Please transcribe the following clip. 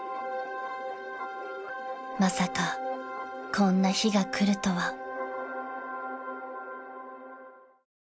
［まさかこんな日が来るとは］